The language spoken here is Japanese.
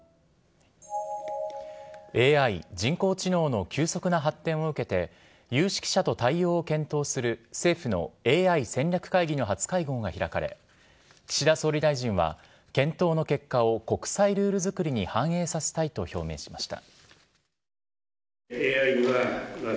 ＡＩ＝人工知能の急速な発展を受けて有識者と対応を検討する政府のＡＩ戦略会議の初会合が開かれ岸田総理大臣は検討の結果を国際ルールづくりに反映させたいと表明しました。